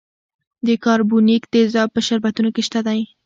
د کاربونیک تیزاب په شربتونو کې شته دی.